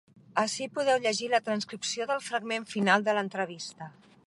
Ací podeu llegir la transcripció del fragment final de l’entrevista.